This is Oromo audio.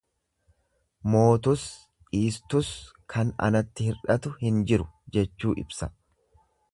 Mootus dhiistus kan anatti hir'atu hin jiru jechuu ibsa.